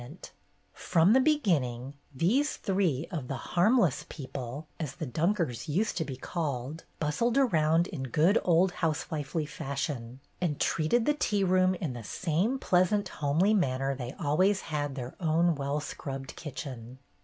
THE TWINE WASH RAG 169 From the beginning, these three of ''The Harmless People,'' as the Dunkers used to be called, bustled around in good old house wifely fashion, and treated the tea room in the same pleasant, homely manner they always had their own well scrubbed kitchen.